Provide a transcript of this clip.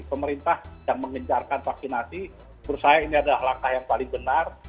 pemerintah yang mengejarkan vaksinasi menurut saya ini adalah langkah yang paling benar